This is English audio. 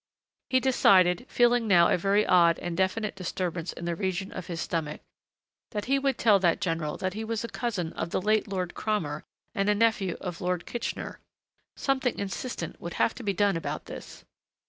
He decided, feeling now a very odd and definite disturbance in the region of his stomach, that he would tell that general that he was a cousin of the late Lord Cromer and a nephew of Lord Kitchener. Something insistent would have to be done about this.